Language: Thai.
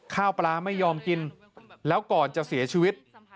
ข้าวปลาไม่ยอมกินแล้วก่อนจะเสียชีวิต